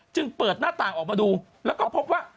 จึงเปิดหน้าต่างออกมาดูแล้วก็พบว่า